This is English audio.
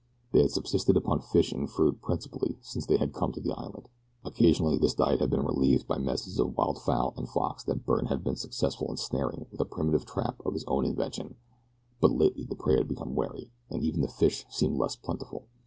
They had subsisted upon fish and fruit principally since they had come to the island. Occasionally this diet had been relieved by messes of wild fowl and fox that Byrne had been successful in snaring with a primitive trap of his own invention; but lately the prey had become wary, and even the fish seemed less plentiful.